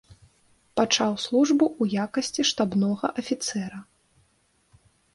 Пачаў службу ў якасці штабнога афіцэра.